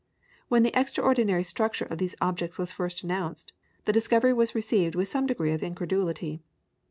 When the extraordinary structure of these objects was first announced, the discovery was received with some degree of incredulity.